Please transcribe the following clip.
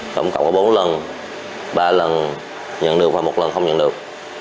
tổng cộng có bốn lần ba lần nhận được và một lần không nhận được